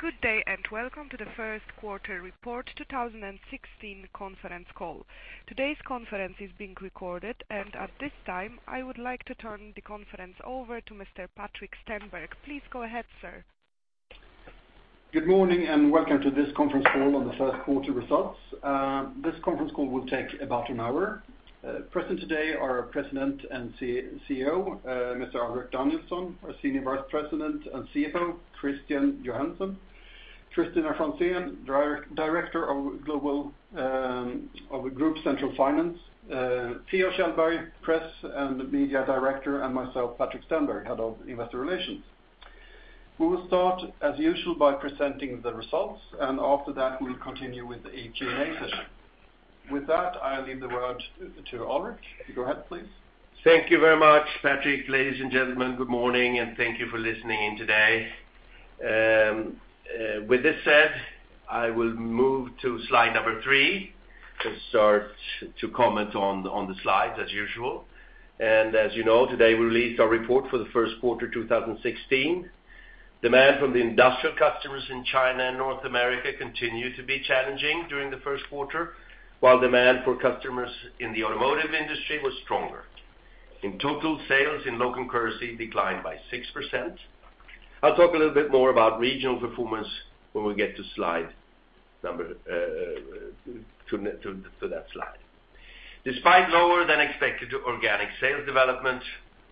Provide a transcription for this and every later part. Good day, and welcome to the First Quarter Report 2016 Conference Call. Today's conference is being recorded, and at this time, I would like to turn the conference over to Mr. Patrik Stenberg. Please go ahead, sir. Good morning, and welcome to this Conference Call on The First Quarter Results. This conference call will take about an hour. Present today are our President and CEO, Mr. Alrik Danielson, our Senior Vice President and CFO, Christian Johansson, Kristina Franzén, Director of Group Central Finance, Theo Kjellberg, Press and Media Director, and myself, Patrik Stenberg, Head of Investor Relations. We will start as usual by presenting the results, and after that, we'll continue with the Q&A session. With that, I leave the word to Alrik. Go ahead, please. Thank you very much, Patrik. Ladies and gentlemen, good morning, and thank you for listening in today. With this said, I will move to slide number 3, to start to comment on the slides as usual. As you know, today, we released our report for the first quarter, 2016. Demand from the industrial customers in China and North America continued to be challenging during the first quarter, while demand for customers in the automotive industry was stronger. In total, sales in local currency declined by 6%. I'll talk a little bit more about regional performance when we get to slide number two. Despite lower than expected organic sales development,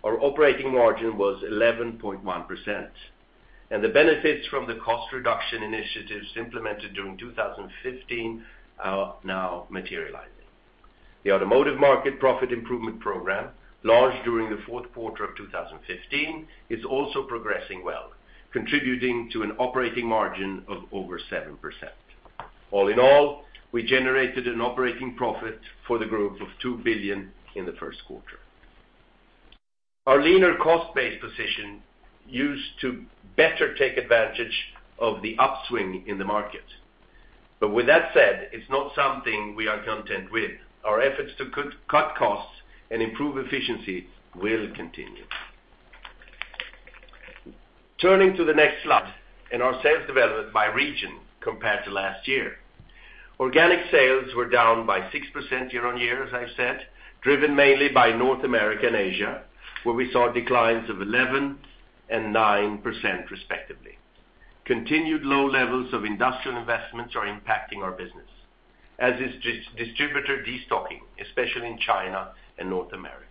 our operating margin was 11.1%, and the benefits from the cost reduction initiatives implemented during 2015 are now materializing. The automotive market profit improvement program, launched during the fourth quarter of 2015, is also progressing well, contributing to an operating margin of over 7%. All in all, we generated an operating profit for the group of 2 billion in the first quarter. Our leaner cost base position used to better take advantage of the upswing in the market. But with that said, it's not something we are content with. Our efforts to cut, cut costs and improve efficiency will continue. Turning to the next slide, in our sales development by region compared to last year, organic sales were down by 6% year-on-year, as I said, driven mainly by North America and Asia, where we saw declines of 11% and 9%, respectively. Continued low levels of industrial investments are impacting our business, as is distributor destocking, especially in China and North America.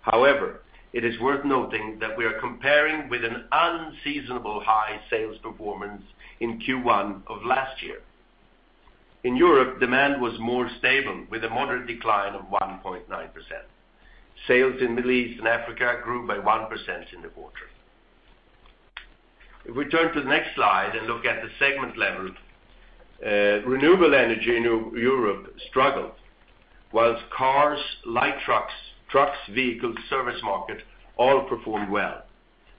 However, it is worth noting that we are comparing with an unseasonable high sales performance in Q1 of last year. In Europe, demand was more stable, with a moderate decline of 1.9%. Sales in Middle East and Africa grew by 1% in the quarter. If we turn to the next slide and look at the segment level, renewable energy in Europe struggled, whilst cars, light trucks, trucks, vehicles, service market, all performed well,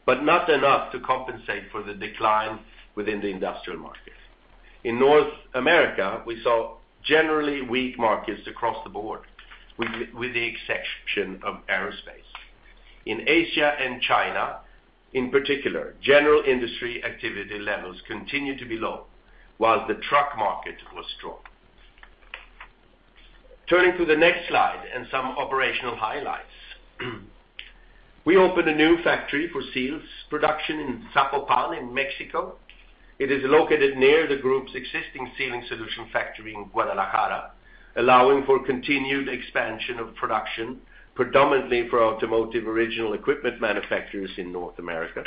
but not enough to compensate for the decline within the industrial market. In North America, we saw generally weak markets across the board, with the exception of aerospace. In Asia and China, in particular, general industry activity levels continued to be low, while the truck market was strong. Turning to the next slide and some operational highlights. We opened a new factory for seals production in Zapopan, in Mexico. It is located near the group's existing sealing solutions factory in Guadalajara, allowing for continued expansion of production, predominantly for automotive original equipment manufacturers in North America.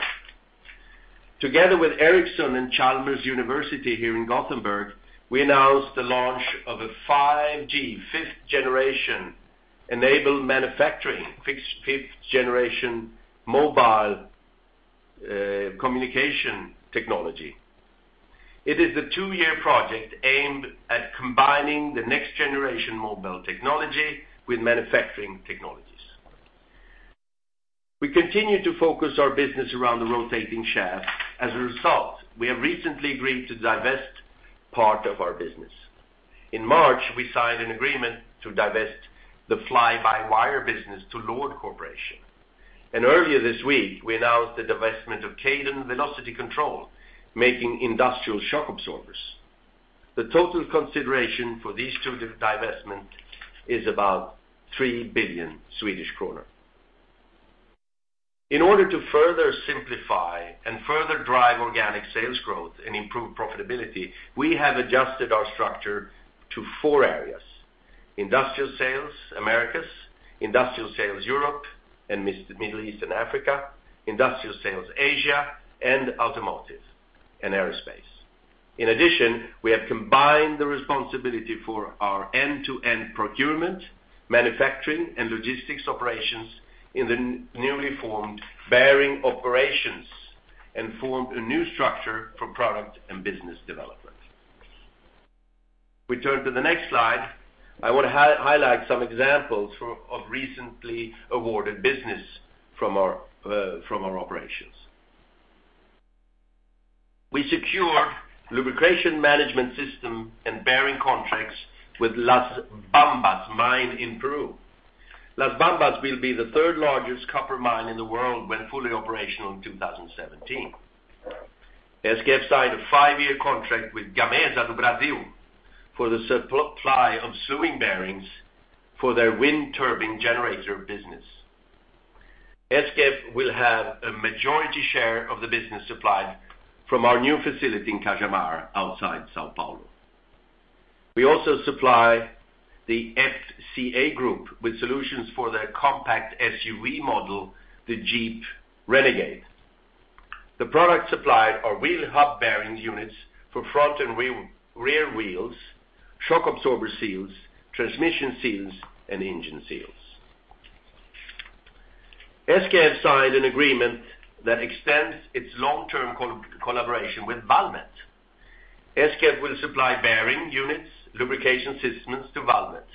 Together with Ericsson and Chalmers University here in Gothenburg, we announced the launch of a 5G, fifth-generation enabled manufacturing, fifth, fifth-generation mobile, communication technology. It is a two-year project aimed at combining the next-generation mobile technology with manufacturing technologies. We continue to focus our business around the rotating shaft. As a result, we have recently agreed to divest part of our business. In March, we signed an agreement to divest the Fly-By-Wire business to LORD Corporation, and earlier this week, we announced the divestment of Kaydon Velocity Control, making industrial shock absorbers. The total consideration for these two divestment is about SEK 3 billion. In order to further simplify and further drive organic sales growth and improve profitability, we have adjusted our structure to four areas: Industrial Sales Americas, Industrial Sales Europe, and Middle East and Africa, Industrial Sales Asia, and Automotive and Aerospace. In addition, we have combined the responsibility for our end-to-end procurement, manufacturing, and logistics operations in the newly formed Bearing Operations, and formed a new structure for product and business development. We turn to the next slide. I want to highlight some examples of recently awarded business from our operations. We secured lubrication management system and bearing contracts with Las Bambas Mine in Peru. Las Bambas will be the third largest copper mine in the world when fully operational in 2017. SKF signed a five-year contract with Gamesa do Brasil for the supply of sealing bearings for their wind turbine generator business. SKF will have a majority share of the business supplied from our new facility in Cajamar, outside São Paulo. We also supply the FCA Group with solutions for their compact SUV model, the Jeep Renegade. The products supplied are wheel hub bearing units for front-wheel and rear wheels, shock absorber seals, transmission seals, and engine seals. SKF signed an agreement that extends its long-term collaboration with Valmet. SKF will supply bearing units, lubrication systems to Valmet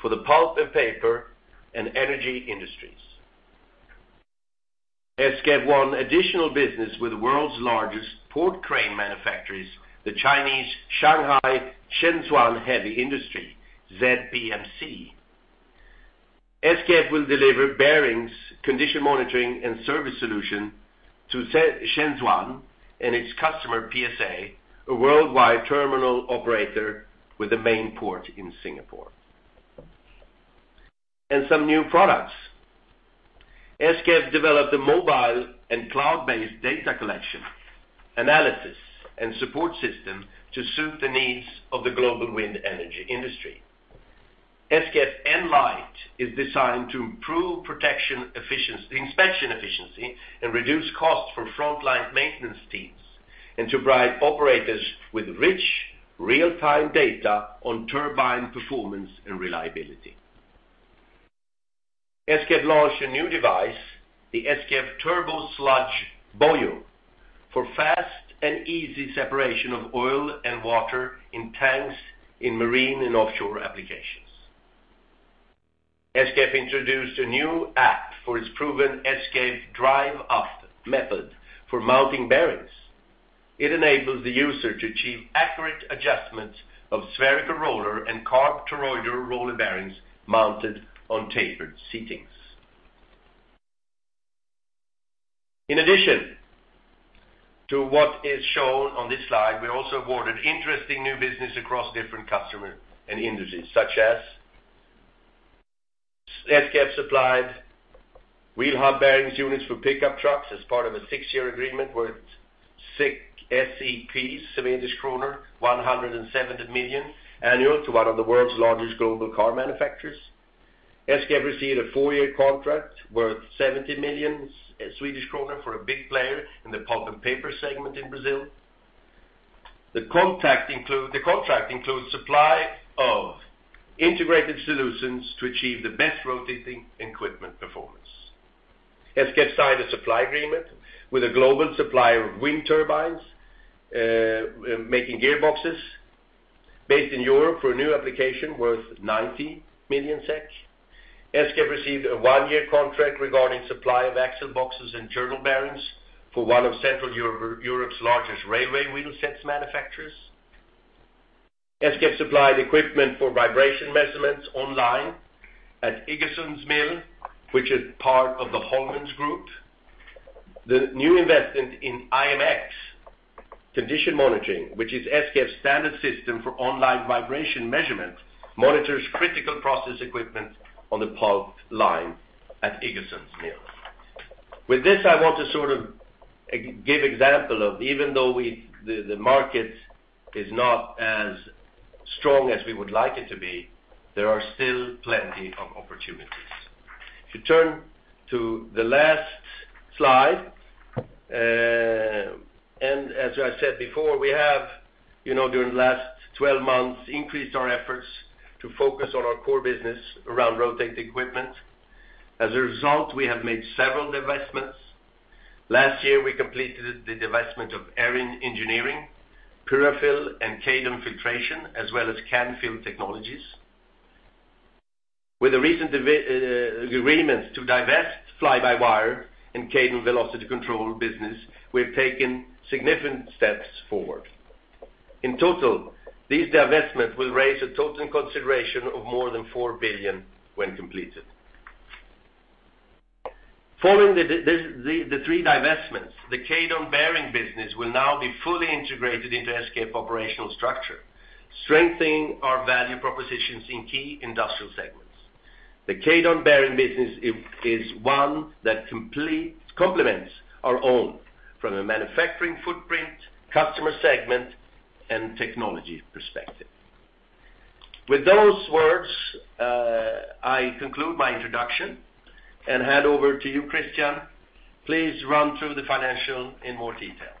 for the pulp and paper and energy industries. SKF won additional business with the world's largest port crane manufacturers, the Chinese Shanghai Zhenhua Heavy Industries, ZPMC. SKF will deliver bearings, condition monitoring, and service solution to ZPMC Zhenjiang and its customer, PSA, a worldwide terminal operator with a main port in Singapore. Some new products. SKF developed a mobile and cloud-based data collection, analysis, and support system to suit the needs of the global wind energy industry. SKF Enlight is designed to improve inspection efficiency, and reduce costs for frontline maintenance teams, and to provide operators with rich, real-time data on turbine performance and reliability. SKF launched a new device, the SKF Turbo Sludge Buoy, for fast and easy separation of oil and water in tanks in marine and offshore applications. SKF introduced a new app for its proven SKF Drive-up method for mounting bearings. It enables the user to achieve accurate adjustments of spherical roller and CARB toroidal roller bearings mounted on tapered seatings. In addition to what is shown on this slide, we also awarded interesting new business across different customers and industries, such as SKF supplied wheel hub bearing units for pickup trucks as part of a six-year agreement worth SEK 170 million annually to one of the world's largest global car manufacturers. SKF received a four-year contract worth 70 million Swedish kronor for a big player in the pulp and paper segment in Brazil. The contract includes supply of integrated solutions to achieve the best rotating equipment performance. SKF signed a supply agreement with a global supplier of wind turbines, making gearboxes based in Europe for a new application worth 90 million SEK. SKF received a one-year contract regarding supply of axle boxes and journal bearings for one of Central Europe's largest railway wheel sets manufacturers. SKF supplied equipment for vibration measurements online at Iggesund Mill, which is part of the Holmen Group. The new investment in IMx, condition monitoring, which is SKF's standard system for online vibration measurement, monitors critical process equipment on the pulp line at Iggesund Mill. With this, I want to sort of give example of even though we, the market is not as strong as we would like it to be, there are still plenty of opportunities. If you turn to the last slide, and as I said before, we have, you know, during the last 12 months, increased our efforts to focus on our core business around rotating equipment. As a result, we have made several divestments. Last year, we completed the divestment of Erin Engineering, Purafil, and Kaydon Filtration, as well as Canfield Technologies. With the recent agreements to divest Fly-by-Wire and Kaydon Velocity Control business, we've taken significant steps forward. In total, these divestments will raise a total consideration of more than 4 billion when completed. Following the three divestments, the Kaydon Bearing business will now be fully integrated into SKF operational structure, strengthening our value propositions in key industrial segments. The Kaydon Bearing business is one that complements our own from a manufacturing footprint, customer segment, and technology perspective. With those words, I conclude my introduction and hand over to you, Christian. Please run through the financial in more detail.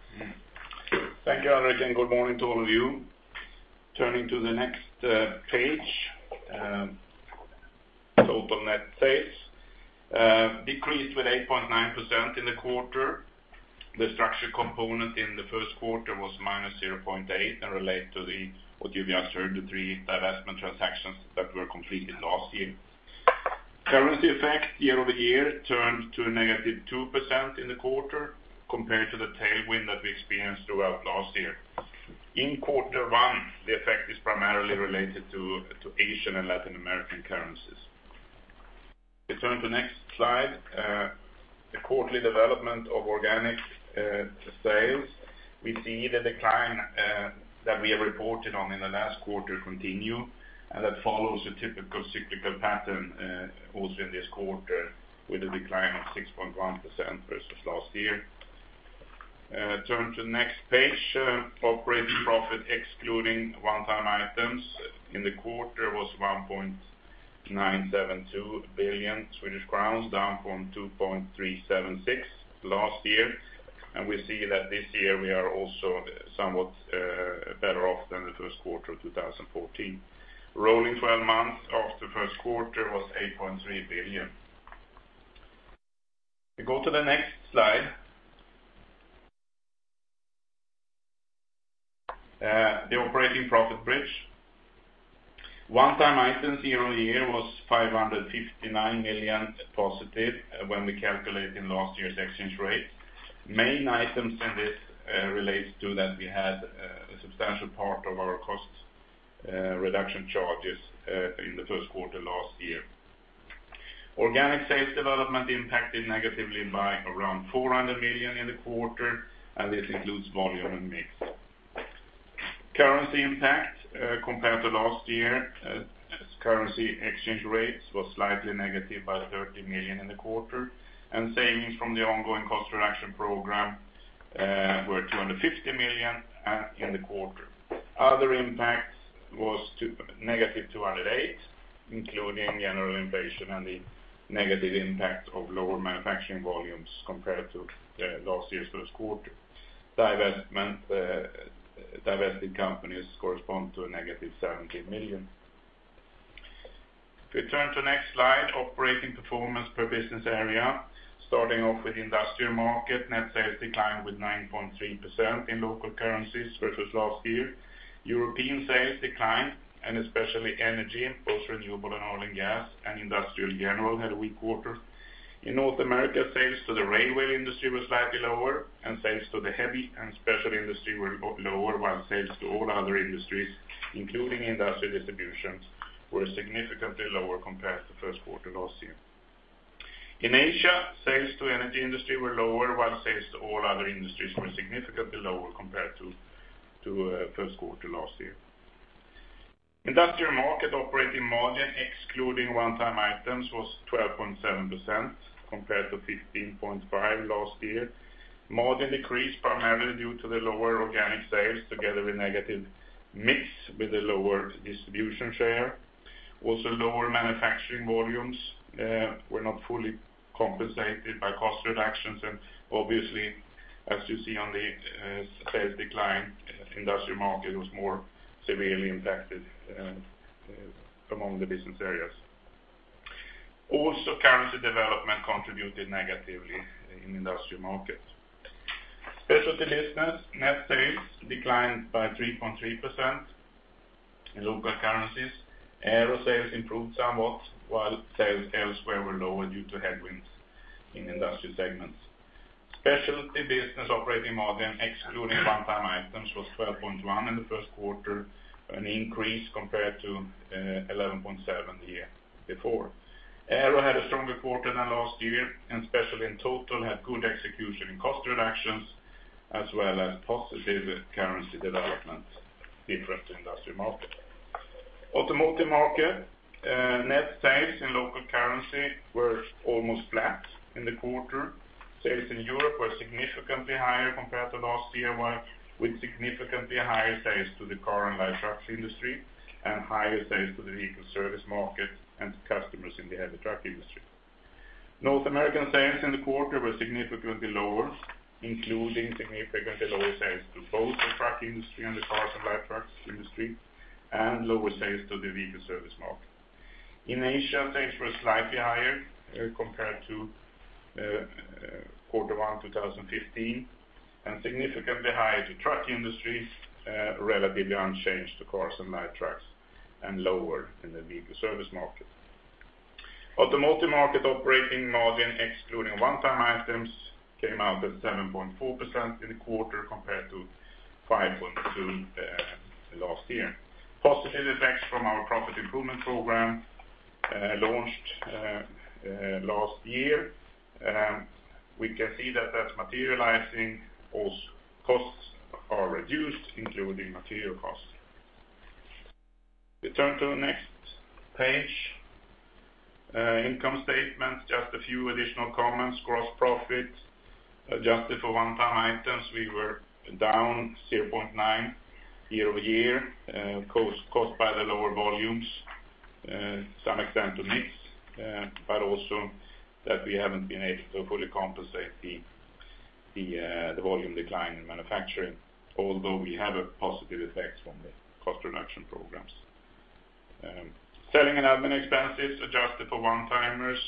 Thank you, Alrik, and good morning to all of you. Turning to the next page, total net sales decreased with 8.9% in the quarter. The structure component in the first quarter was -0.8, and relate to the what you've observed, the three divestment transactions that were completed last year. Currency effect year-over-year turned to a -2% in the quarter compared to the tailwind that we experienced throughout last year. In quarter one, the effect is primarily related to Asian and Latin American currencies. We turn to next slide, the quarterly development of organic sales. We see the decline that we have reported on in the last quarter continue, and that follows a typical cyclical pattern also in this quarter, with a decline of 6.1% versus last year. Turn to next page. Operating profit, excluding one-time items in the quarter was 1.972 billion Swedish crowns, down from 2.376 billion last year. We see that this year we are also somewhat better off than the first quarter of 2014. Rolling 12 months after first quarter was 8.3 billion. We go to the next slide. The operating profit bridge. One-time items year-on-year was 559 million positive when we calculated in last year's exchange rate. Main items, and this relates to that we had a substantial part of our cost reduction charges in the first quarter last year. Organic sales development impacted negatively by around 400 million in the quarter, and this includes volume and mix. Currency impact, compared to last year, currency exchange rates was slightly negative by 30 million in the quarter, and savings from the ongoing cost reduction program were 250 million in the quarter. Other impacts was to -208 million, including general inflation and the negative impact of lower manufacturing volumes compared to last year's first quarter. Divestment, divested companies correspond to a -17 million. If we turn to the next slide, operating performance per business area, starting off with industrial market, net sales declined with 9.3% in local currencies versus last year. European sales declined, and especially energy, both renewable and oil and gas, and industrial general had a weak quarter. In North America, sales to the railway industry was slightly lower, and sales to the heavy and special industry were lower, while sales to all other industries, including industrial distributions, were significantly lower compared to first quarter last year. In Asia, sales to energy industry were lower, while sales to all other industries were significantly lower compared to first quarter last year. Industrial Market operating margin, excluding one-time items, was 12.7%, compared to 15.5% last year. Margin decreased primarily due to the lower organic sales, together with negative mix with the lower distribution share. Also, lower manufacturing volumes were not fully compensated by cost reductions, and obviously, as you see on the sales decline, industrial market was more severely impacted among the business areas. Also, currency development contributed negatively in industrial markets. Specialty business, net sales declined by 3.3% in local currencies. Aero sales improved somewhat, while sales elsewhere were lower due to headwinds in industrial segments. Specialty business operating margin, excluding one-time items, was 12.1 in the first quarter, an increase compared to 11.7 the year before. Aero had a stronger quarter than last year, and especially in total, had good execution in cost reductions, as well as positive currency development, different to industrial market. Automotive market, net sales in local currency were almost flat in the quarter. Sales in Europe were significantly higher compared to last year, while with significantly higher sales to the car and light trucks industry, and higher sales to the vehicle service market and customers in the heavy truck industry. North American sales in the quarter were significantly lower, including significantly lower sales to both the truck industry and the cars and light trucks industry, and lower sales to the vehicle service market. In Asia, sales were slightly higher, compared to quarter one, 2015, and significantly higher to truck industries, relatively unchanged to cars and light trucks, and lower in the vehicle service market. Automotive market operating margin, excluding one-time items, came out at 7.4% in the quarter compared to 5.2%, last year. Positive effects from our profit improvement program, launched last year, and we can see that that's materializing. Also, costs are reduced, including material costs. We turn to the next page. Income statement, just a few additional comments. Gross profit, adjusted for one-time items, we were down 0.9 year-over-year, caused by the lower volumes, some extent to mix, but also that we haven't been able to fully compensate the volume decline in manufacturing, although we have a positive effect from the cost reduction programs. Selling and admin expenses, adjusted for one-timers,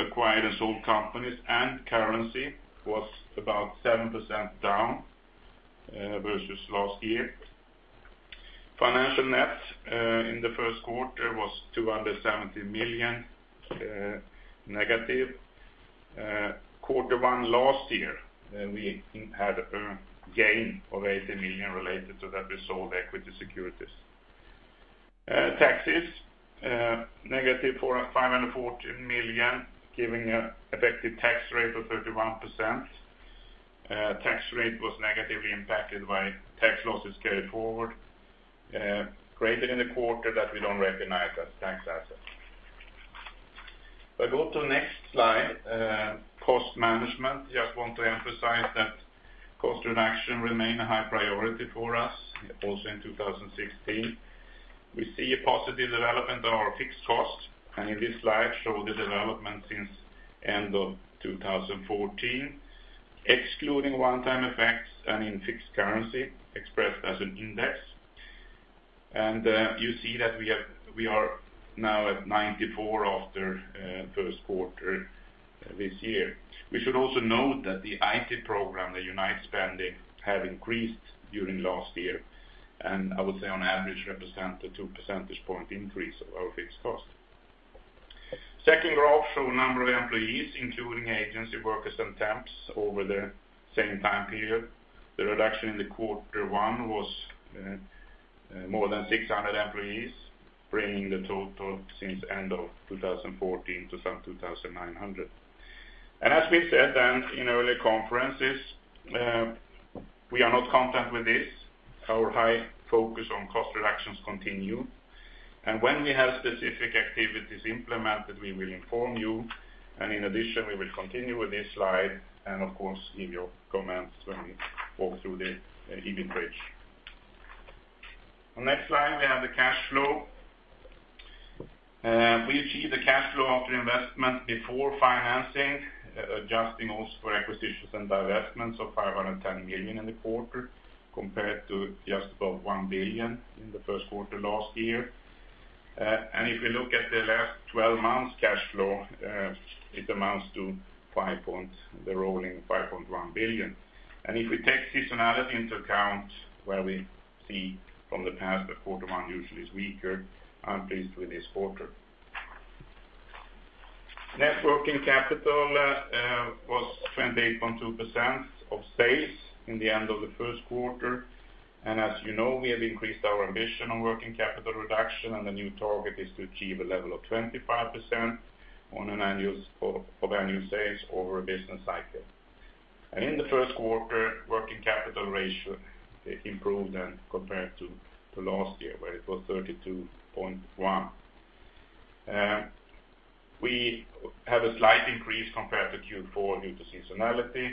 acquired and sold companies, and currency, was about 7% down versus last year. Financial net in the first quarter was -270 million. Quarter one last year, we had a gain of 80 million related to that we sold equity securities. Taxes, negative 514 million, giving an effective tax rate of 31%. Tax rate was negatively impacted by tax losses carried forward created in the quarter that we don't recognize as tax assets. If I go to the next slide, cost management, just want to emphasize that cost reduction remain a high priority for us, also in 2016. We see a positive development on our fixed costs, and in this slide, show the development since end of 2014, excluding one-time effects and in fixed currency, expressed as an index. You see that we are now at 94 after first quarter this year. We should also note that the IT program, the Unite spending, have increased during last year, and I would say on average, represent a 2 percentage point increase of our fixed cost. Second graph shows a number of employees, including agency workers and temps over the same time period. The reduction in quarter one was more than 600 employees, bringing the total since end of 2014 to some 2,900. As we said then in earlier conferences, we are not content with this. Our high focus on cost reductions continue, and when we have specific activities implemented, we will inform you, and in addition, we will continue with this slide, and of course, give your comments when we walk through the EBIT page. On next slide, we have the cash flow. We achieve the cash flow after investment before financing, adjusting also for acquisitions and divestments of 510 million in the quarter, compared to just above 1 billion in the first quarter last year. And if you look at the last 12 months cash flow, it amounts to the rolling 5.1 billion. And if we take seasonality into account, where we see from the past, that quarter one usually is weaker, I'm pleased with this quarter. Net working capital was 28.2% of sales in the end of the first quarter, and as you know, we have increased our ambition on working capital reduction, and the new target is to achieve a level of 25% of annual sales over a business cycle. And in the first quarter, working capital ratio improved than compared to last year, where it was 32.1. We have a slight increase compared to Q4 due to seasonality,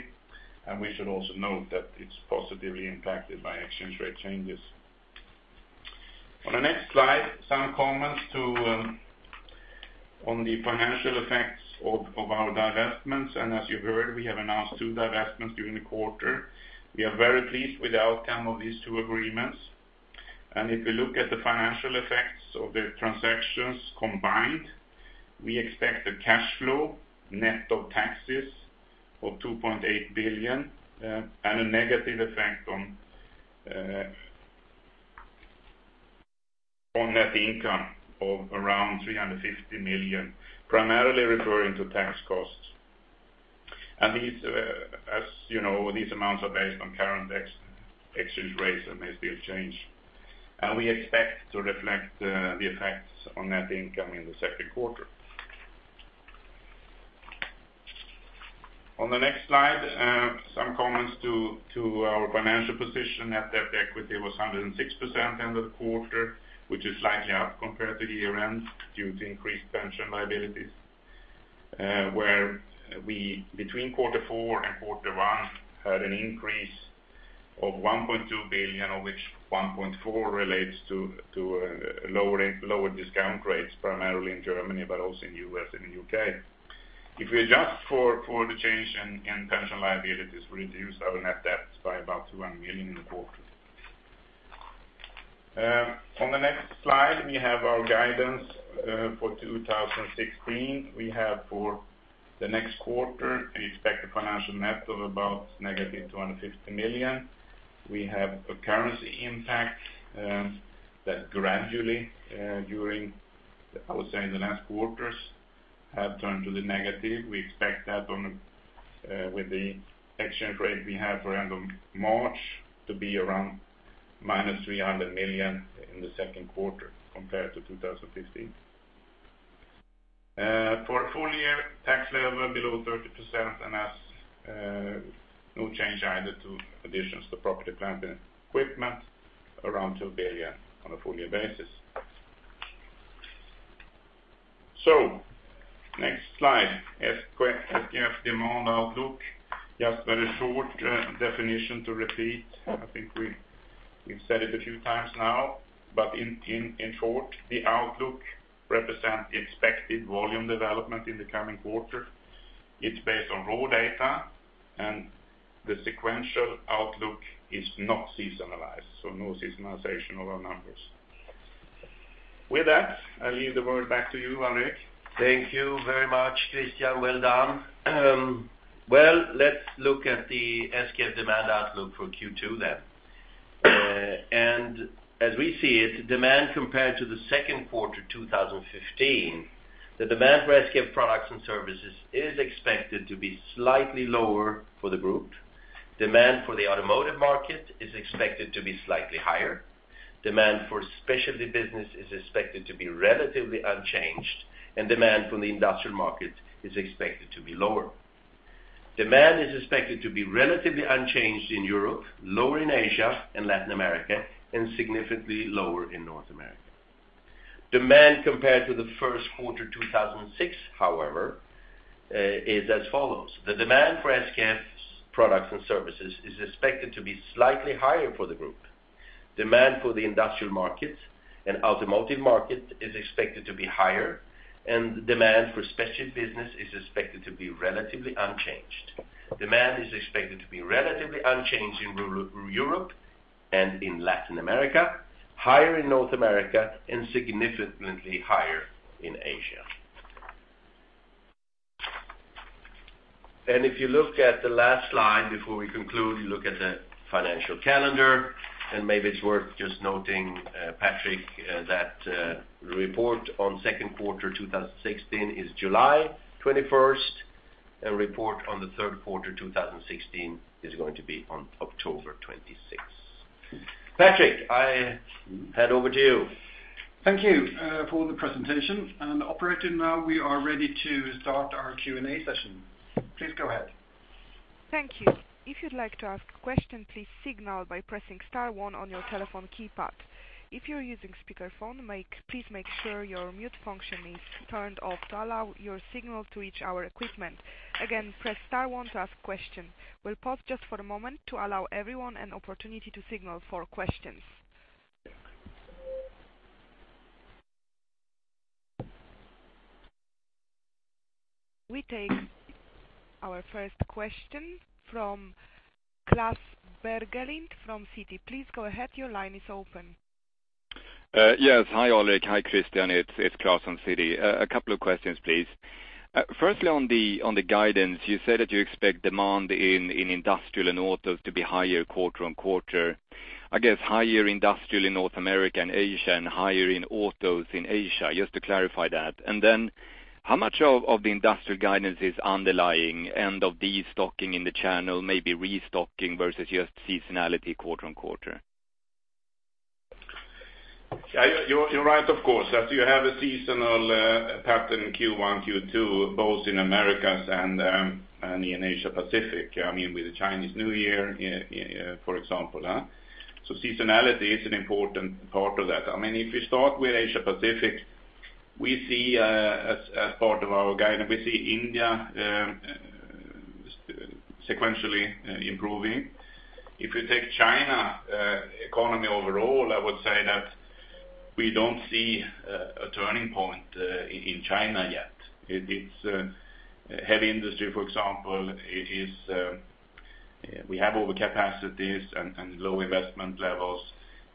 and we should also note that it's positively impacted by exchange rate changes. On the next slide, some comments to, on the financial effects of, of our divestments, and as you've heard, we have announced two divestments during the quarter. We are very pleased with the outcome of these two agreements, and if you look at the financial effects of the transactions combined, we expect a cash flow, net of taxes, of 2.8 billion, and a negative effect on, on net income of around 350 million, primarily referring to tax costs. And these, as you know, these amounts are based on current exchange rates and may still change. And we expect to reflect, the effects on net income in the second quarter. On the next slide, some comments to our financial position. Net debt equity was 106% end of the quarter, which is slightly up compared to the year end, due to increased pension liabilities. Where we between quarter four and quarter one had an increase of 1.2 billion, of which 1.4 relates to lower discount rates, primarily in Germany, but also in U.S. and U.K. If we adjust for the change in pension liabilities, we reduce our net debt by about 200 million in the quarter. On the next slide, we have our guidance for 2016. We have for the next quarter, we expect a financial net of about negative 250 million. We have a currency impact that gradually, during, I would say, in the last quarters, have turned to the negative. We expect that on, with the exchange rate we have around on March to be around -300 million in the second quarter compared to 2015. For a full year, tax level below 30%, and as, no change either to additions to property, plant, and equipment, around SEK 2 billion on a full year basis. So next slide, SF, SKF demand outlook. Just very short definition to repeat. I think we, we've said it a few times now, but in short, the outlook represent the expected volume development in the coming quarter. It's based on raw data, and the sequential outlook is not seasonalized, so no seasonalization of our numbers. With that, I leave the word back to you, Alrik. Thank you very much, Christian. Well done. Well, let's look at the SKF demand outlook for Q2 then. And as we see it, demand compared to the second quarter 2015, the demand for SKF products and services is expected to be slightly lower for the group. Demand for the automotive market is expected to be slightly higher. Demand for Specialty business is expected to be relatively unchanged, and demand from the industrial market is expected to be lower. Demand is expected to be relatively unchanged in Europe, lower in Asia and Latin America, and significantly lower in North America. Demand compared to the first quarter 2006, however, is as follows: the demand for SKF's products and services is expected to be slightly higher for the group. Demand for the industrial market and automotive market is expected to be higher, and demand for Specialty business is expected to be relatively unchanged. Demand is expected to be relatively unchanged in Rest of Europe and in Latin America, higher in North America, and significantly higher in Asia. If you look at the last slide before we conclude, you look at the financial calendar, and maybe it's worth just noting, Patrik, that the report on second quarter 2016 is July 21st, and report on the third quarter 2016 is going to be on October 26th. Patrik, I hand over to you. Thank you, for the presentation, and operator, now we are ready to start our Q&A session. Please go ahead. Thank you. If you'd like to ask a question, please signal by pressing star one on your telephone keypad. If you're using speakerphone, please make sure your mute function is turned off to allow your signal to reach our equipment. Again, press star one to ask a question. We'll pause just for a moment to allow everyone an opportunity to signal for questions. We take our first question from Klas Bergelind from Citi. Please go ahead. Your line is open. Yes. Hi, Alrik. Hi, Christian. It's Klas from Citi. A couple of questions, please. Firstly, on the guidance, you said that you expect demand in industrial and autos to be higher quarter on quarter. I guess, higher industrial in North America and Asia, and higher in autos in Asia, just to clarify that. And then, how much of the industrial guidance is underlying end of destocking in the channel, maybe restocking versus just seasonality quarter on quarter? Yeah, you're right, of course. As you have a seasonal pattern Q1, Q2, both in Americas and in Asia-Pacific, I mean, with the Chinese New Year, for example, huh? So seasonality is an important part of that. I mean, if you start with Asia-Pacific, we see, as part of our guidance, we see India sequentially improving. If you take China economy overall, I would say that we don't see a turning point in China yet. It's heavy industry, for example, is. We have overcapacities and low investment levels.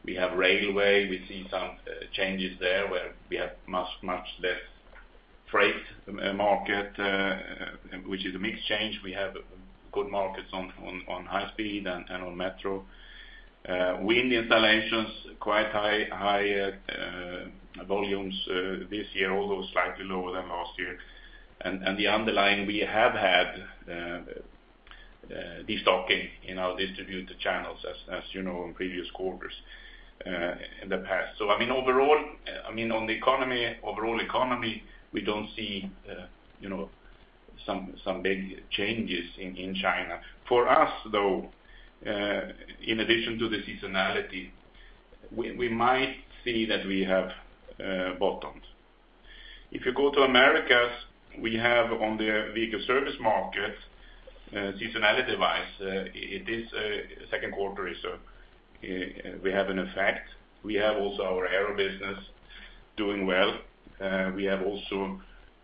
We have railway. We see some changes there, where we have much less freight market, which is a mixed change. We have good markets on high-speed and on metro. Wind installations, quite high volumes this year, although slightly lower than last year. And the underlying, we have had destocking in our distributor channels, as you know, in previous quarters in the past. So, I mean, overall, I mean, on the overall economy, we don't see, you know, some big changes in China. For us, though, in addition to the seasonality, we might see that we have bottomed. If you go to Americas, we have on the vehicle service market seasonality device. It is second quarter, we have an effect. We have also our Aero business doing well. We have also,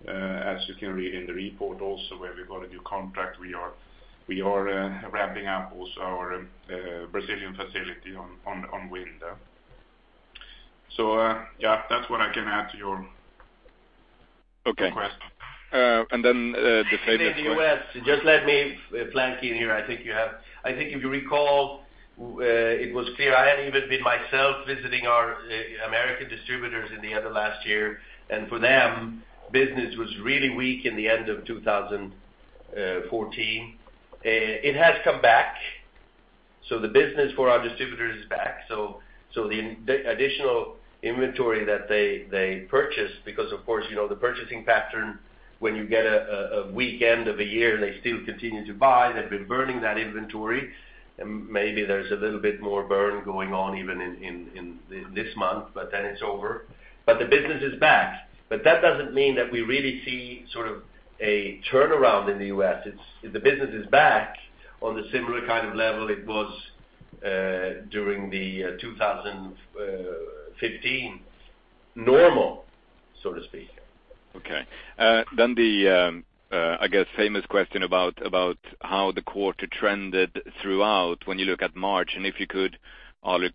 as you can read in the report also, where we've got a new contract, we are ramping up also our Brazilian facility on wind. So, yeah, that's what I can add to your. Okay. Request. And then, the paper. In the U.S., just let me jump in here. I think if you recall, it was clear I had even been myself visiting our American distributors in the end of last year, and for them, business was really weak in the end of 2014. It has come back, so the business for our distributors is back. So the additional inventory that they purchased, because, of course, you know, the purchasing pattern, when you get a weak end of a year, they still continue to buy. They've been burning that inventory. Maybe there's a little bit more burn going on even in this month, but then it's over. But the business is back. But that doesn't mean that we really see sort of a turnaround in the U.S. It's the business is back on the similar kind of level it was during the 2015 normal. So to speak. Okay. Then, I guess, the famous question about how the quarter trended throughout when you look at March, and if you could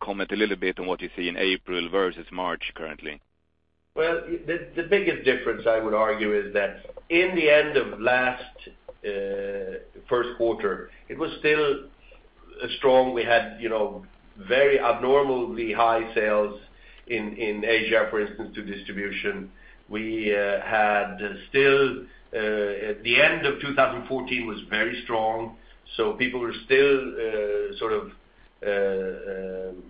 comment a little bit on what you see in April versus March currently. Well, the biggest difference I would argue is that in the end of last first quarter, it was still strong. We had, you know, very abnormally high sales in Asia, for instance, to distribution. We had still at the end of 2014, was very strong, so people were still sort of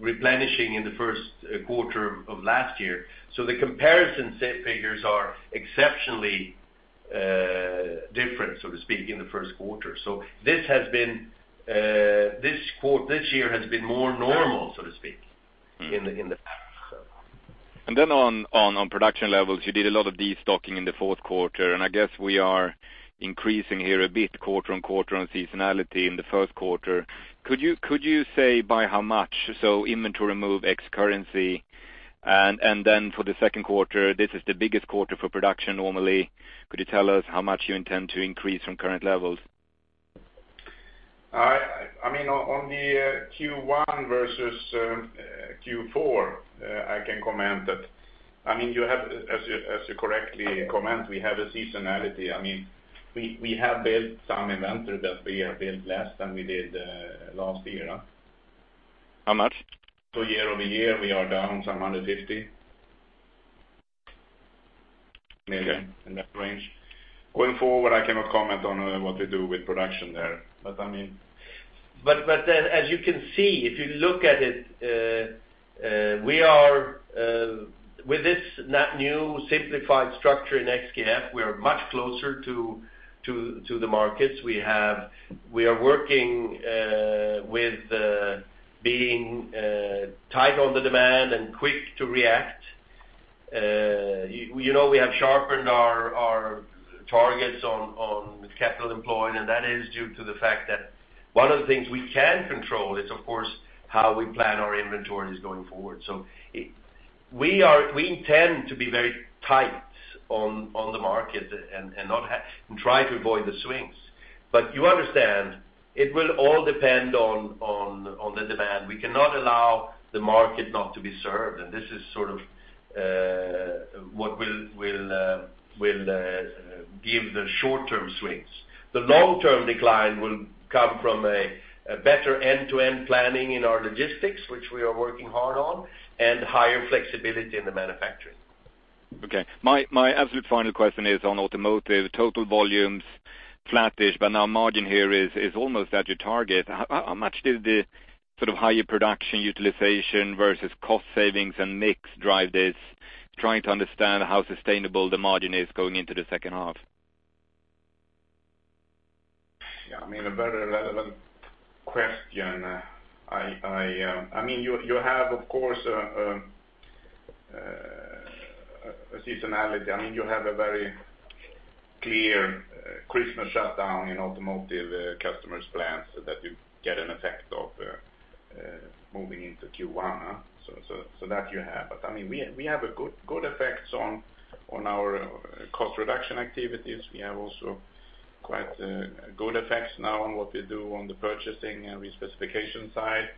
replenishing in the first quarter of last year. So the comparison set figures are exceptionally different, so to speak, in the first quarter. So this has been this quarter—this year has been more normal, so to speak, in the in the. And then on production levels, you did a lot of destocking in the fourth quarter, and I guess we are increasing here a bit quarter-on-quarter on seasonality in the first quarter. Could you say by how much? So inventory move, ex-currency, and then for the second quarter, this is the biggest quarter for production, normally. Could you tell us how much you intend to increase from current levels? I mean, on the Q1 versus Q4, I can comment that. I mean, as you correctly comment, we have a seasonality. I mean, we have built some inventory, but we have built less than we did last year. How much? Year-over-year, we are down some 150 million, in that range. Going forward, I cannot comment on what to do with production there, but I mean. But as you can see, if you look at it, we are with this new simplified structure in SKF, we are much closer to the markets. We have. We are working with being tight on the demand and quick to react. You know, we have sharpened our targets on capital employed, and that is due to the fact that one of the things we can control is, of course, how we plan our inventories going forward. So it. We tend to be very tight on the market and not and try to avoid the swings. But you understand, it will all depend on the demand. We cannot allow the market not to be served, and this is sort of what will give the short-term swings. The long-term decline will come from a better end-to-end planning in our logistics, which we are working hard on, and higher flexibility in the manufacturing. Okay. My absolute final question is on automotive. Total volumes, flattish, but now margin here is almost at your target. How much did the sort of higher production utilization versus cost savings and mix drive this? Trying to understand how sustainable the margin is going into the second half. Yeah, I mean, a very relevant question. I mean, you have, of course, a seasonality. I mean, you have a very clear Christmas shutdown in automotive customers' plans so that you get an effect of moving into Q1, so that you have. But, I mean, we have good effects on our cost reduction activities. We have also quite good effects now on what we do on the purchasing and re-specification side,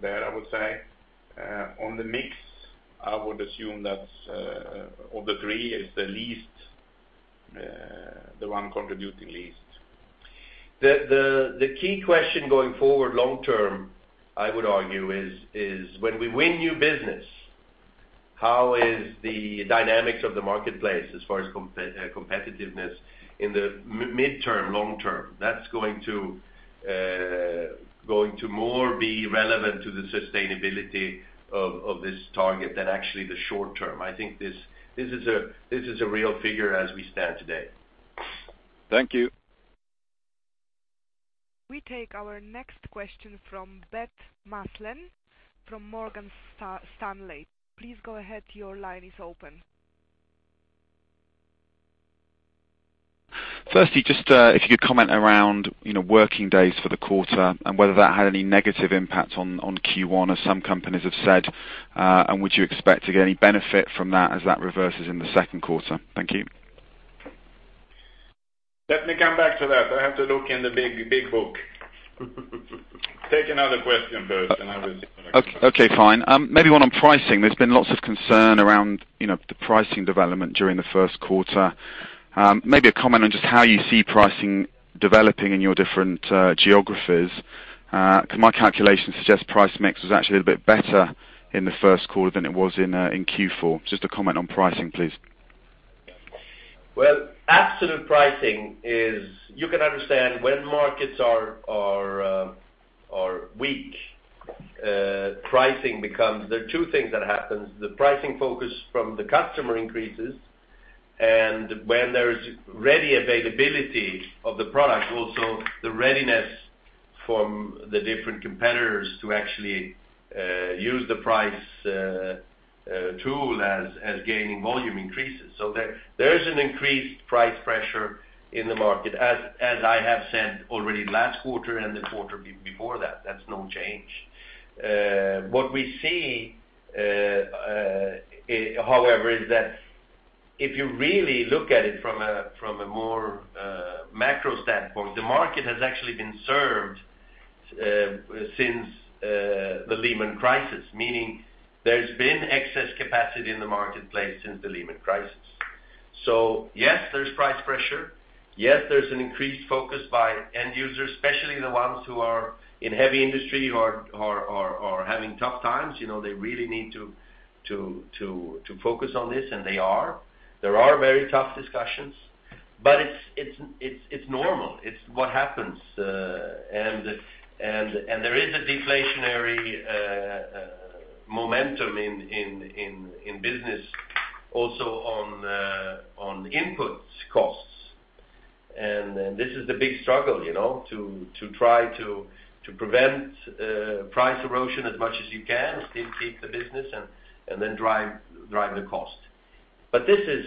there, I would say. On the mix, I would assume that of the three is the least, the one contributing least. The key question going forward, long term, I would argue, is when we win new business, how is the dynamics of the marketplace as far as competitiveness in the mid-term, long term? That's going to more be relevant to the sustainability of this target than actually the short term. I think this is a real figure as we stand today. Thank you. We take our next question from Beth Maslen, from Morgan Stanley. Please go ahead. Your line is open. Firstly, just, if you could comment around, you know, working days for the quarter and whether that had any negative impact on Q1, as some companies have said, and would you expect to get any benefit from that as that reverses in the second quarter? Thank you. Let me come back to that. I have to look in the big, big book. Take another question first, and I will. Okay, fine. Maybe one on pricing. There's been lots of concern around, you know, the pricing development during the first quarter. Maybe a comment on just how you see pricing developing in your different geographies. Because my calculations suggest price mix was actually a bit better in the first quarter than it was in Q4. Just a comment on pricing, please. Well, absolute pricing is. You can understand when markets are weak, pricing becomes-- There are two things that happens: the pricing focus from the customer increases, and when there is ready availability of the product, also the readiness from the different competitors to actually use the price tool as gaining volume increases. So there is an increased price pressure in the market. As I have said already last quarter and the quarter before that, that's no change. What we see, however, is that, If you really look at it from a more macro standpoint, the market has actually been served since the Lehman crisis. Meaning, there's been excess capacity in the marketplace since the Lehman crisis. Yes, there's price pressure, yes, there's an increased focus by end users, especially the ones who are in heavy industry or are having tough times. You know, they really need to focus on this, and they are. There are very tough discussions, but it's normal. It's what happens, and there is a deflationary momentum in business also on input costs. And this is the big struggle, you know, to try to prevent price erosion as much as you can, still keep the business and then drive the cost. But this is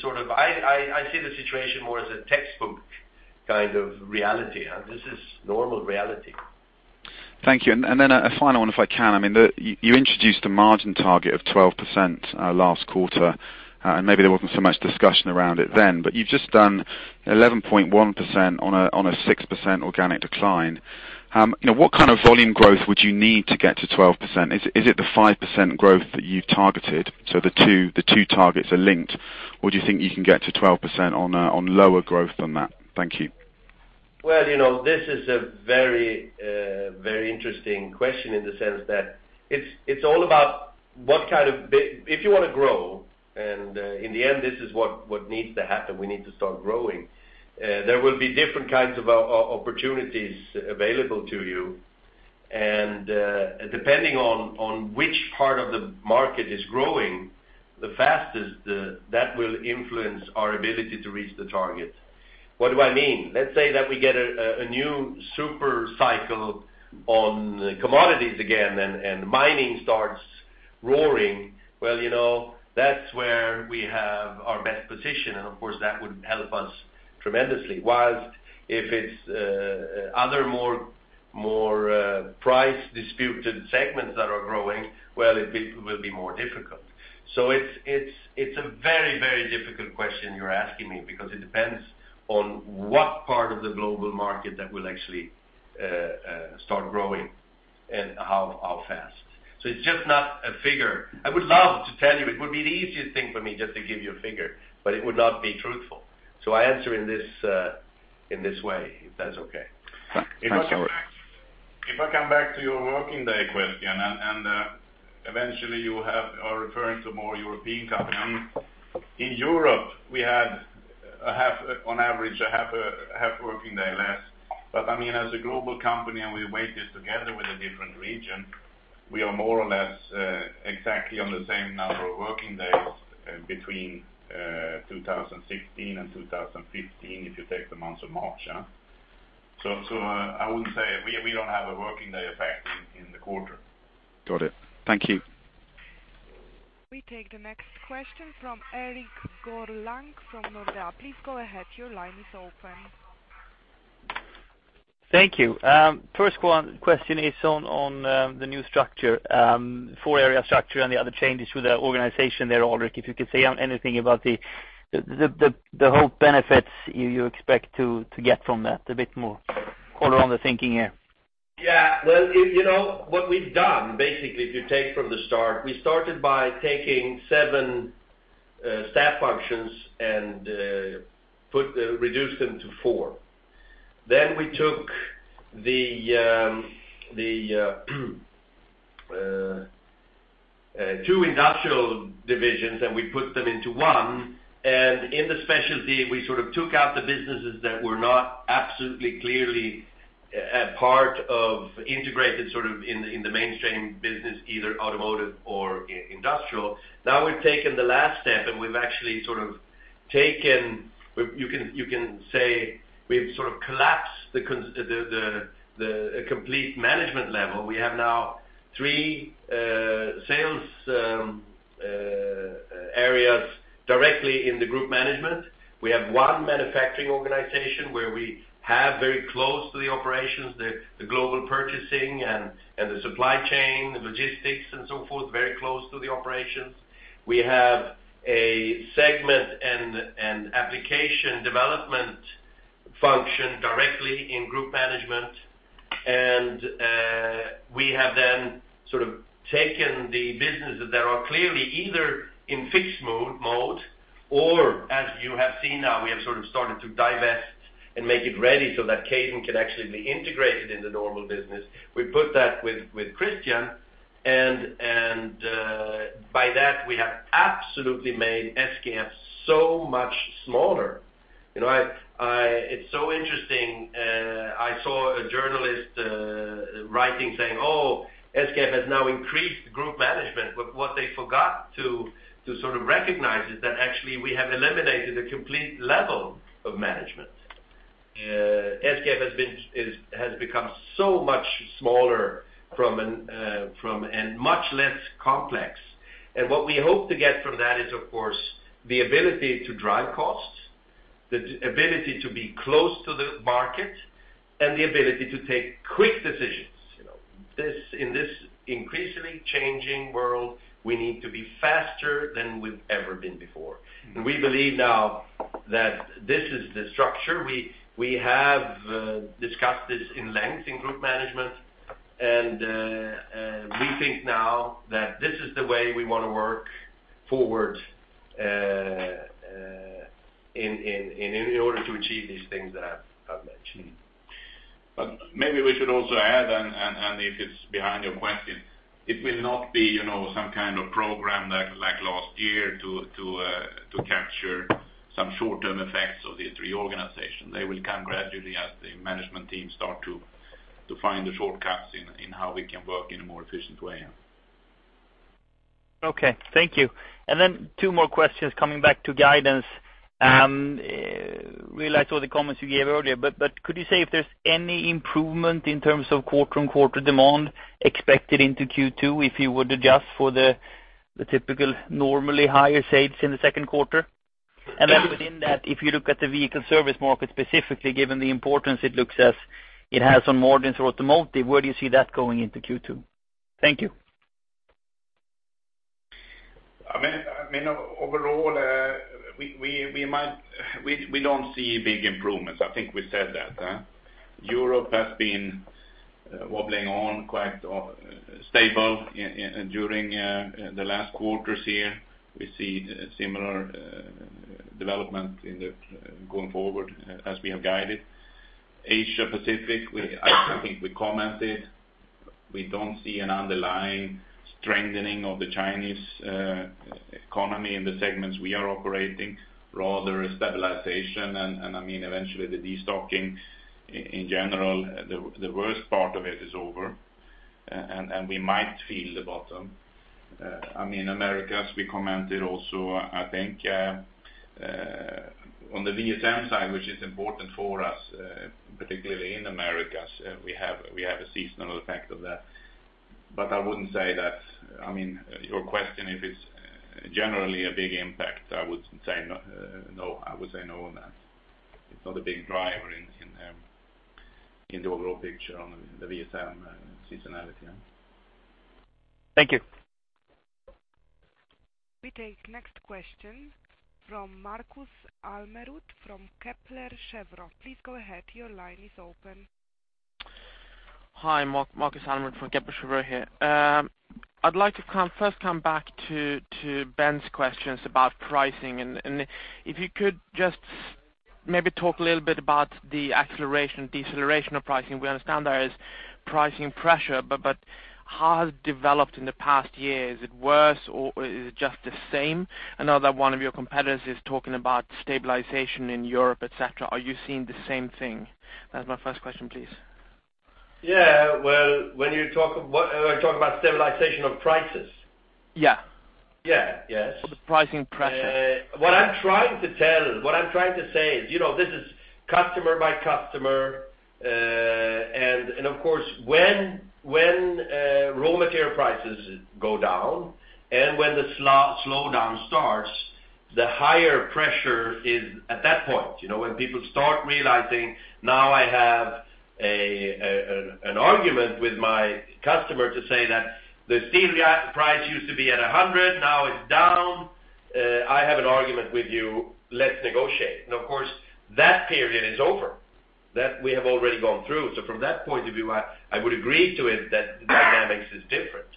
sort of, I see the situation more as a textbook kind of reality, and this is normal reality. Thank you. And then a final one, if I can. I mean, you introduced a margin target of 12%, last quarter, and maybe there wasn't so much discussion around it then, but you've just done 11.1% on a 6% organic decline. What kind of volume growth would you need to get to 12%? Is it the 5% growth that you've targeted, so the two targets are linked, or do you think you can get to 12% on lower growth than that? Thank you. Well, you know, this is a very, very interesting question in the sense that it's, it's all about what kind of—If you wanna grow, and, in the end, this is what, what needs to happen, we need to start growing, there will be different kinds of opportunities available to you. And, depending on, which part of the market is growing the fastest, that will influence our ability to reach the target. What do I mean? Let's say that we get a new super cycle on commodities again, and mining starts roaring, well, you know, that's where we have our best position, and of course, that would help us tremendously. While if it's other more price disputed segments that are growing, well, it will be more difficult. So it's a very, very difficult question you're asking me, because it depends on what part of the global market that will actually start growing and how fast. So it's just not a figure. I would love to tell you, it would be the easiest thing for me just to give you a figure, but it would not be truthful. So I answer in this way, if that's okay. Thank you. If I come back to your working day question, and eventually you are referring to more European company. In Europe, we had, on average, half a working day less. But I mean, as a global company, and we weigh this together with a different region, we are more or less exactly on the same number of working days between 2016 and 2015, if you take the months of March? So, I wouldn't say we don't have a working day effect in the quarter. Got it. Thank you. We take the next question from Erik Golrang from Nordea. Please go ahead, your line is open. Thank you. First one, question is on the new structure, four area structure and the other changes to the organization there, Alrik, if you could say anything about the whole benefits you expect to get from that, a bit more color on the thinking here. Yeah. Well, you know, what we've done, basically, if you take from the start, we started by taking seven staff functions and put, reduced them to four. We took the two industrial divisions and we put them into one, and in the specialty, we sort of took out the businesses that were not absolutely clearly part of, integrated, sort of, in the mainstream business, either automotive or industrial. Now, we've taken the last step, and we've actually sort of taken. You can say we've sort of collapsed the cons, the complete management level. We have now three sales areas directly in the group management. We have one manufacturing organization, where we have very close to the operations, the global purchasing and the supply chain, the logistics, and so forth, very close to the operations. We have a segment and application development function directly in group management. And we have then sort of taken the businesses that are clearly either in fixed mode or as you have seen now, we have sort of started to divest and make it ready so that Kaydon can actually be integrated in the normal business. We put that with Christian, and by that, we have absolutely made SKF so much smaller. You know, I. It's so interesting, I saw a journalist writing, saying, "Oh, SKF has now increased group management." But what they forgot to, to sort of recognize is that actually we have eliminated a complete level of management. SKF has been, is, has become so much smaller from an, from and much less complex. And what we hope to get from that is, of course, the ability to drive costs, the ability to be close to the market, and the ability to take quick decisions, this, in this increasingly changing world, we need to be faster than we've ever been before. And we believe now that this is the structure. We have discussed this at length in group management, and we think now that this is the way we wanna work forward, in order to achieve these things that I've mentioned. But maybe we should also add, if it's behind your question, it will not be, you know, some kind of program like last year to capture some short-term effects of the reorganization. They will come gradually as the management team start to find the shortcuts in how we can work in a more efficient way. Okay, thank you. And then two more questions coming back to guidance. Realized all the comments you gave earlier, but, but could you say if there's any improvement in terms of quarter-on-quarter demand expected into Q2, if you would adjust for the, the typical, normally higher sales in the second quarter? And then within that, if you look at the vehicle service market, specifically, given the importance it looks as it has on margins or automotive, where do you see that going into Q2? Thank you. I mean, overall, we don't see big improvements. I think we said that. Europe has been wobbling on quite stable during the last quarters here. We see similar development going forward as we have guided. Asia-Pacific, I think we commented, we don't see an underlying strengthening of the Chinese economy in the segments we are operating, rather a stabilization. And I mean, eventually the destocking in general, the worst part of it is over, and we might feel the bottom. I mean, Americas, we commented also, I think, on the VSM side, which is important for us, particularly in Americas, we have a seasonal effect of that. But I wouldn't say that. I mean, your question, if it's generally a big impact, I would say no, no. I would say no on that. It's not a big driver in the overall picture on the VSM, seasonality, yeah. Thank you. We take next question from Marcus Almerud from Kepler Cheuvreux. Please go ahead, your line is open. Hi, Marcus Almerud from Kepler Cheuvreux here. I'd like to first come back to Beth's questions about pricing, and if you could just maybe talk a little bit about the acceleration, deceleration of pricing. We understand there is pricing pressure, but how has it developed in the past year? Is it worse or is it just the same? I know that one of your competitors is talking about stabilization in Europe, et cetera. Are you seeing the same thing? That's my first question, please. Yeah, well, when you talk, when we talk about stabilization of prices? Yeah. Yeah, yes. The pricing pressure. What I'm trying to tell, what I'm trying to say is, you know, this is customer by customer, and of course, when raw material prices go down and when the slowdown starts, the higher pressure is at that point. You know, when people start realizing, now I have an argument with my customer to say that the steel price used to be at 100, now it's down. I have an argument with you, let's negotiate. And of course, that period is over. That we have already gone through. So from that point of view, I would agree to it, that the dynamics is different.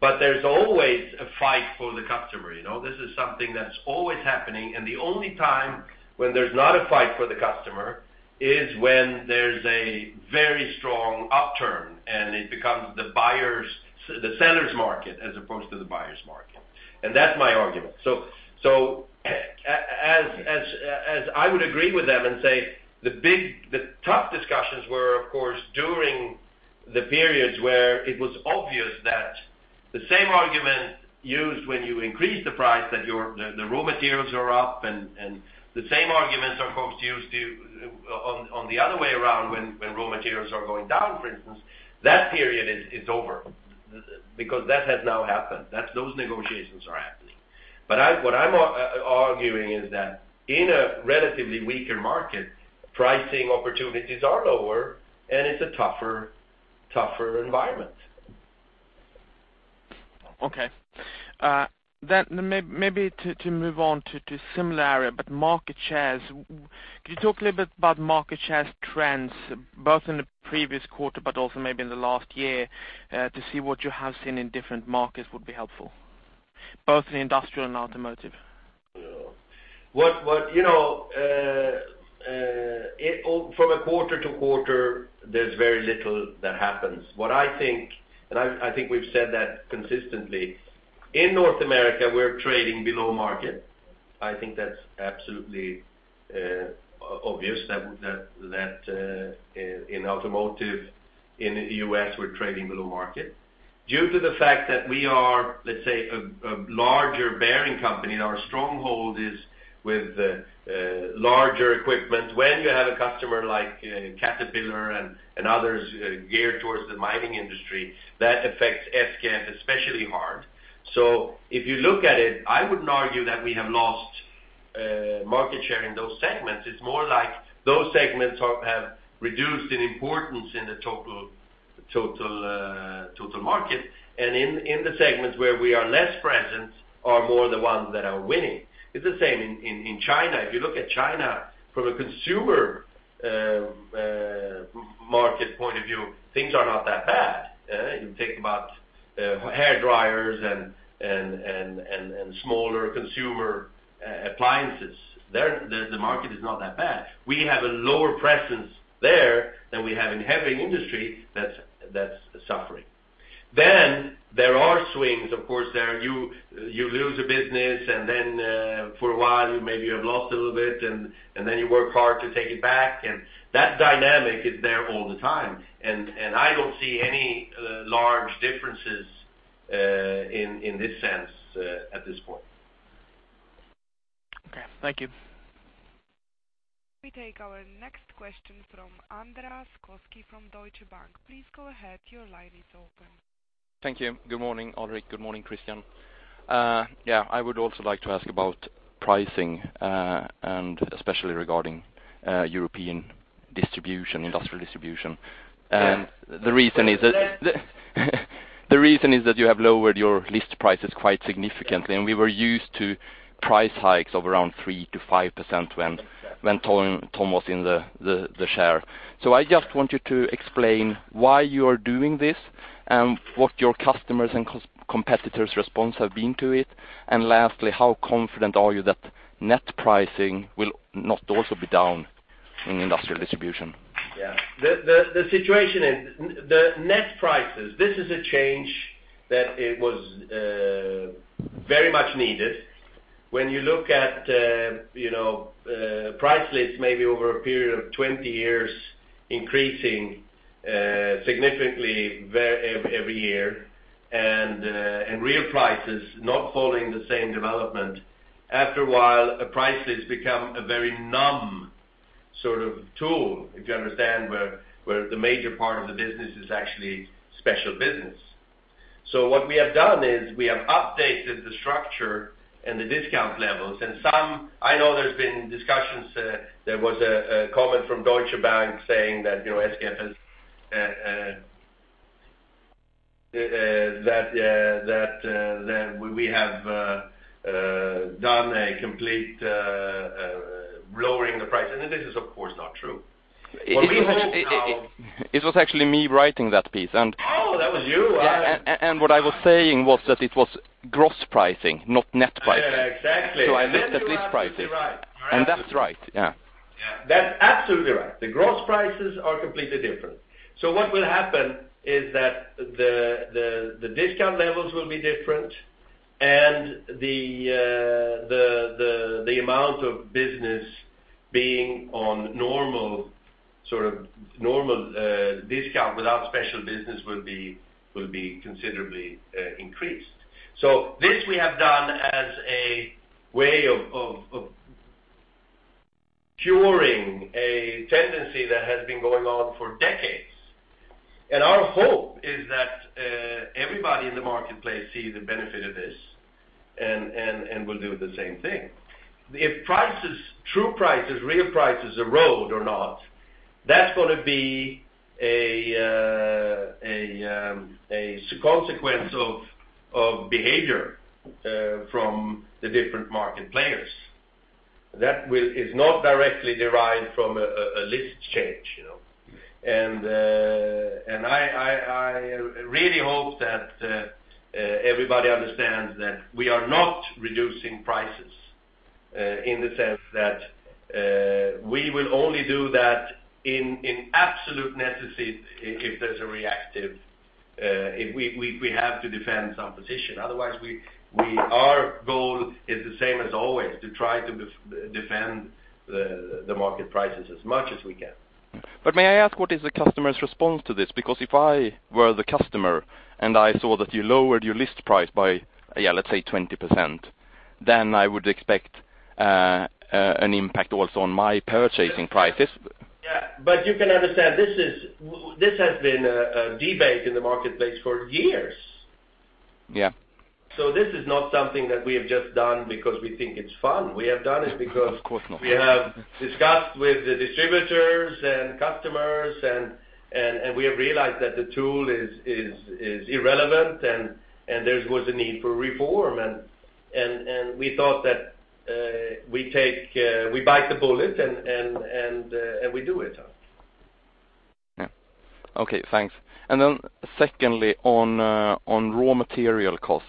But there's always a fight for the customer, you know, this is something that's always happening, and the only time when there's not a fight for the customer is when there's a very strong upturn, and it becomes the seller's market, as opposed to the buyer's market, and that's my argument. So, as I would agree with them and say, the big, the tough discussions were, of course, during the periods where it was obvious that the same argument used when you increase the price, that the raw materials are up, and the same arguments are, of course, used on the other way around, when raw materials are going down, for instance, that period is over. Because that has now happened, those negotiations are happening. But I've what I'm arguing is that in a relatively weaker market, pricing opportunities are lower, and it's a tougher, tougher environment. Okay. Then maybe to move on to a similar area, but market shares. Could you talk a little bit about market shares trends, both in the previous quarter but also maybe in the last year, to see what you have seen in different markets would be helpful, both in industrial and automotive. You know, from a quarter to quarter, there's very little that happens. What I think, and I think we've said that consistently, in North America, we're trading below market. I think that's absolutely obvious that in automotive, in the US, we're trading below market. Due to the fact that we are, let's say, a larger bearing company, and our stronghold is with larger equipment. When you have a customer like Caterpillar and others geared towards the mining industry, that affects SKF especially hard. So if you look at it, I wouldn't argue that we have lost market share in those segments. It's more like those segments are, have reduced in importance in the total market, and in the segments where we are less present are more the ones that are winning. It's the same in China. If you look at China from a consumer market point of view, things are not that bad, you think about hair dryers and smaller consumer appliances, there the market is not that bad. We have a lower presence there than we have in heavy industry that's suffering. Then there are swings, of course, there. You lose a business, and then, for a while, you maybe have lost a little bit, and then you work hard to take it back, and that dynamic is there all the time. And I don't see any large differences in this sense at this point. Okay, thank you. We take our next question from Andreas Koski from Deutsche Bank. Please go ahead. Your line is open. Thank you. Good morning, Alrik. Good morning, Christian. Yeah, I would also like to ask about pricing, and especially regarding European distribution, industrial distribution. Yeah. The reason is that you have lowered your list prices quite significantly, and we were used to price hikes of around 3%-5% when, when Tom was in the chair. So I just want you to explain why you are doing this and what your customers' and competitors' response have been to it. And lastly, how confident are you that net pricing will not also be down in industrial distribution? Yeah. The situation is the net prices, this is a change that it was very much needed. When you look at, you know, price lists, maybe over a period of 20 years, increasing significantly every year, and real prices not following the same development, after a while, prices become a very numb sort of tool, if you understand, where the major part of the business is actually special business. So what we have done is we have updated the structure and the discount levels, and some. I know there's been discussions, there was a comment from Deutsche Bank saying that, you know, SKF has that we have done a complete lowering the price, and this is, of course, not true. What we hope now. It was actually me writing that piece, and. Oh, that was you? Yeah. And what I was saying was that it was gross pricing, not net pricing. Yeah, exactly. I looked at list prices. You're right. That's right, yeah. Yeah, that's absolutely right. The gross prices are completely different. So what will happen is that the discount levels will be different and the amount of business being on normal, sort of normal, discount without special business will be considerably increased. So this we have done as a way of curing a tendency that has been going on for decades. And our hope is that everybody in the marketplace see the benefit of this and will do the same thing. If prices, true prices, real prices, erode or not, that's gonna be a consequence of behavior from the different market players. That is not directly derived from a list change, you know? I really hope that everybody understands that we are not reducing prices in the sense that we will only do that in absolute necessity, if there's a reactive, if we have to defend some position. Otherwise, our goal is the same as always, to try to defend the market prices as much as we can. May I ask, what is the customer's response to this? Because if I were the customer, and I saw that you lowered your list price by, yeah, let's say 20%, then I would expect an impact also on my purchasing prices. Yeah, but you can understand, this is, this has been a debate in the marketplace for years. Yeah. This is not something that we have just done because we think it's fun. We have done it because. Of course not. We have discussed with the distributors and customers, and we have realized that the tool is irrelevant, and there was a need for reform, and we thought that we bite the bullet, and we do it. Yeah. Okay, thanks. Then secondly, on raw material costs.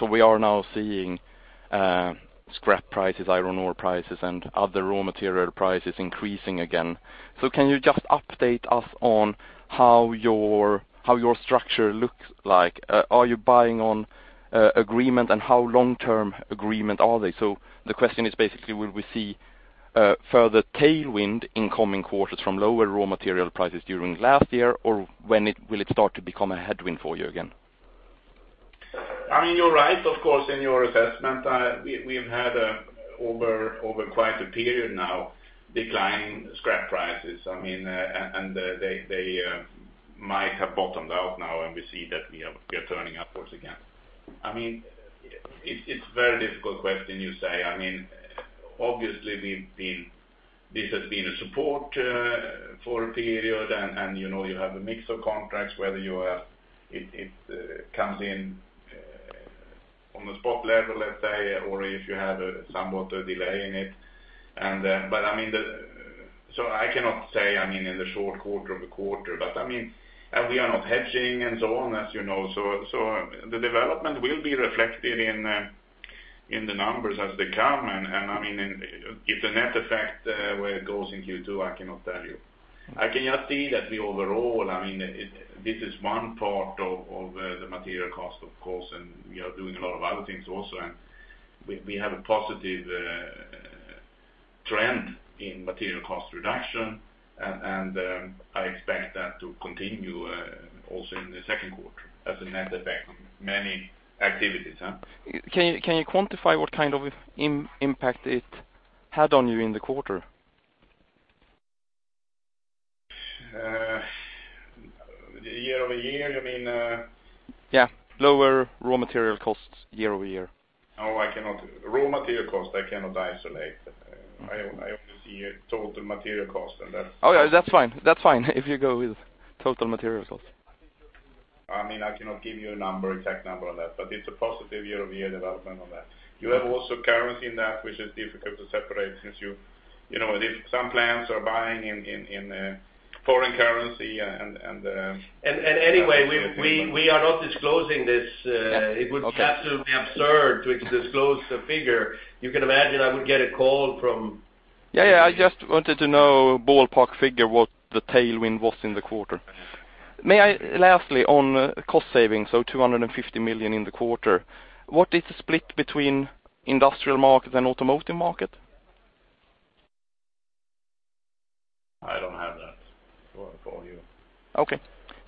So we are now seeing scrap prices, iron ore prices, and other raw material prices increasing again. So can you just update us on how your structure looks like? Are you buying on agreement, and how long-term agreement are they? So the question is, basically, will we see further tailwind in coming quarters from lower raw material prices during last year, or will it start to become a headwind for you again? I mean, you're right, of course, in your assessment. We've had over quite a period now, declining scrap prices. I mean, and theymight have bottomed out now, and we see that we are turning upwards again. I mean, it's very difficult question you say. I mean, obviously, we've been this has been a support for a period, and you know, you have a mix of contracts, whether it comes in on the spot level, let's say, or if you have somewhat a delay in it. But I mean, so I cannot say, I mean, in the short quarter of the quarter, but I mean, and we are not hedging and so on, as you know, so the development will be reflected in the numbers as they come. And I mean, if the net effect where it goes in Q2, I cannot tell you. I can just see that the overall, I mean, this is one part of the material cost, of course, and we are doing a lot of other things also, and we have a positive trend in material cost reduction, and I expect that to continue also in the second quarter as a net effect. Many activities? Can you, can you quantify what kind of impact it had on you in the quarter? The year-over-year, you mean? Yeah, lower raw material costs year-over-year. Oh, I cannot. Raw material cost, I cannot isolate. I, I only see a total material cost, and that's. Oh, yeah, that's fine, that's fine. If you go with total material costs. I mean, I cannot give you a number, exact number on that, but it's a positive year-over-year development on that. You have also currency in that, which is difficult to separate since you, you know, if some plants are buying in foreign currency, and. Anyway, we are not disclosing this. Yeah, okay. It would be absolutely absurd to disclose the figure. You can imagine I would get a call from. Yeah, yeah, I just wanted to know ballpark figure, what the tailwind was in the quarter. May I lastly, on cost savings, so 250 million in the quarter, what is the split between industrial market and automotive market? I don't have that for you. Okay.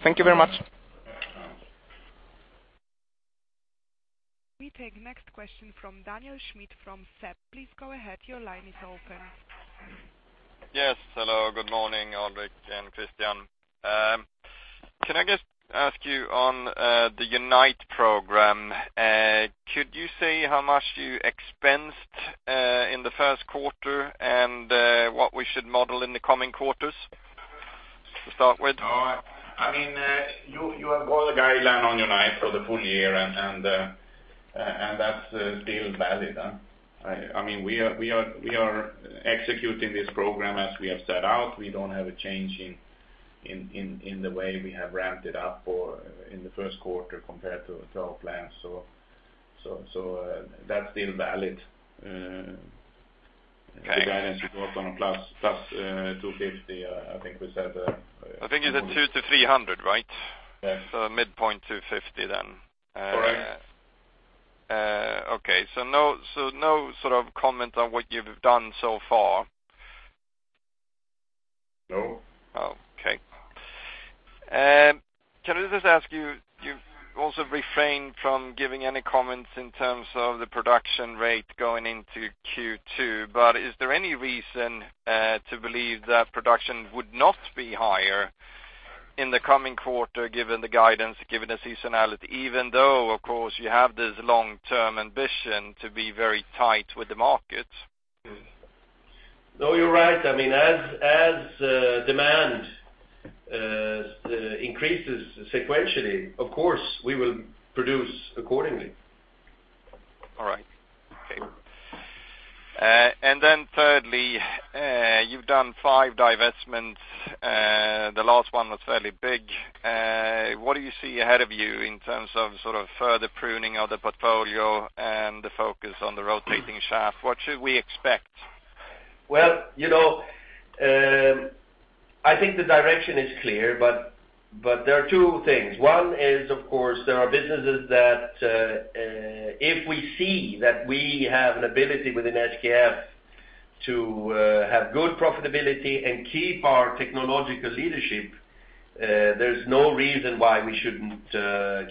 Thank you very much. We take next question from Daniel Schmidt from SEB. Please go ahead. Your line is open. Yes, hello, good morning, Alrik and Christian. Can I just ask you on the Unite program? Could you say how much you expensed in the first quarter, and what we should model in the coming quarters, to start with? Oh, I mean, you have all the guidance on Unite for the full year, and that's still valid, huh? I mean, we are executing this program as we have set out. We don't have a change in the way we have ramped it up or in the first quarter compared to our plans. So, that's still valid. Okay. The guidance is also on plus plus 250, I think we said. I think it's 200-300, right? Yes. So, midpoint 250 then. Correct. Okay. So no sort of comment on what you've done so far? No. Okay. Can I just ask you, you've also refrained from giving any comments in terms of the production rate going into Q2, but is there any reason to believe that production would not be higher in the coming quarter, given the guidance, given the seasonality, even though, of course, you have this long-term ambition to be very tight with the market? No, you're right. I mean, as demand increases sequentially, of course, we will produce accordingly. All right. Okay. And then, thirdly, you've done five divestments, the last one was fairly big. What do you see ahead of you in terms of sort of further pruning of the portfolio and the focus on the rotating shaft? What should we expect? Well, you know, I think the direction is clear, but there are two things. One is, of course, there are businesses that, if we see that we have an ability within SKF to have good profitability and keep our technological leadership, there's no reason why we shouldn't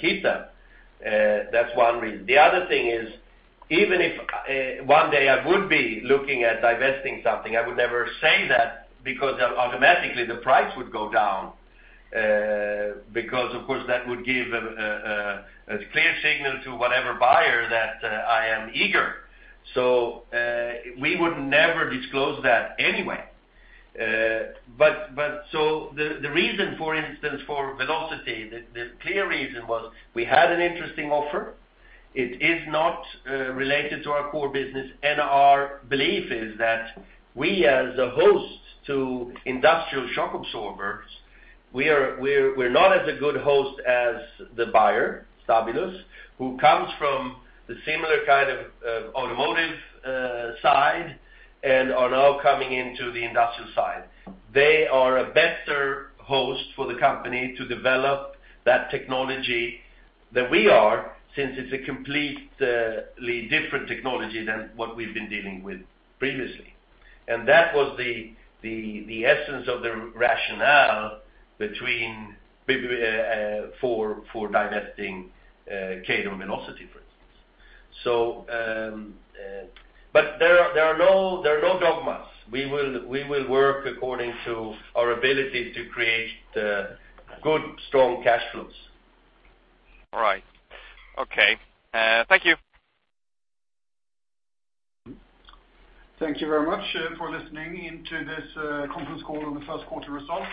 keep them. That's one reason. The other thing is, even if one day I would be looking at divesting something, I would never say that because automatically the price would go down, because, of course, that would give a clear signal to whatever buyer that I am eager. So, we would never disclose that anyway. But the reason, for instance, for Velocity, the clear reason was we had an interesting offer. It is not related to our core business, and our belief is that we, as a host to industrial shock absorbers, we are not as good a host as the buyer, Stabilus, who comes from the similar kind of automotive side, and are now coming into the industrial side. They are a better host for the company to develop that technology than we are, since it is a completely different technology than what we have been dealing with previously. And that was the essence of the rationale for divesting Kaydon and Velocity, for instance. So, but there are no dogmas. We will work according to our ability to create good, strong cash flows. All right. Okay, thank you. Thank you very much for listening in to this Conference Call on The First Quarter Results.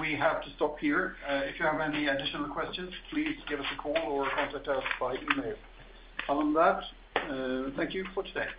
We have to stop here. If you have any additional questions, please give us a call or contact us by email. On that, thank you for today.